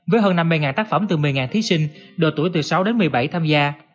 với hơn năm mươi tác phẩm từ một mươi thí sinh độ tuổi từ sáu đến một mươi bảy tham gia